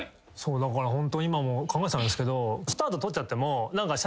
だからホント今も考えてたんですけど。